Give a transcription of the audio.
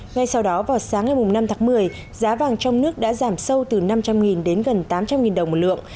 ngay sau đó vào sáng ngày năm tháng một mươi giá vàng trong nước đã giảm sâu từ năm trăm linh đến gần tám trăm linh đồng một lượng